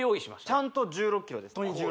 ちゃんと１６ｋｇです